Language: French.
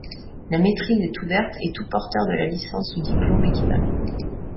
La maitrise est ouverte à tout porteur de la licence ou diplôme équivalent.